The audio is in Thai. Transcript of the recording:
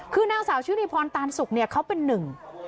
คือนางสาวชุติพรตานสุกเนี่ยเขาเป็นหนึ่ง